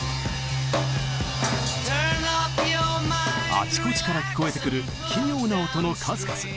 あちこちから聞こえてくる奇妙な音の数々。